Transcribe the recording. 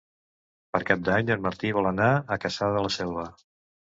Per Cap d'Any en Martí vol anar a Cassà de la Selva.